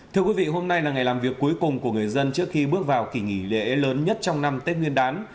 thưa quý vị hôm nay là ngày làm việc cuối cùng của người dân trước khi bước vào kỷ nghỉ lễ lớn nhất trong năm tết nguyên đán